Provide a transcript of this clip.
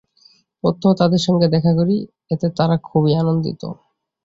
প্রত্যহ তাঁদের সঙ্গে দেখা করি, এতে তাঁরাও খুব আনন্দিত।